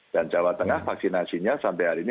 dan jawa tengah vaksinasinya sampai hari ini